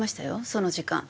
その時間。